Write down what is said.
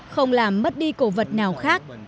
không làm mất đi cổ vật nào khác